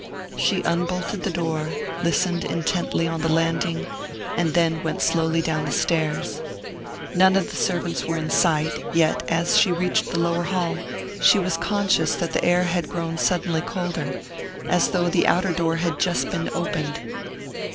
She unbolted the door, listened intently on the landing, and then went slowly down the stairs. None of the servants were in sight, yet as she reached the lower hall she was conscious that the air had grown suddenly colder, as though the outer door had just been opened.